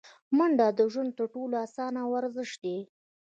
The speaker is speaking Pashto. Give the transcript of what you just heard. منډه د ژوند تر ټولو اسانه ورزش دی